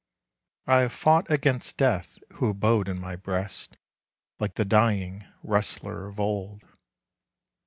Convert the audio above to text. I have fought against Death who abode in my breast Like the dying wrestler of old.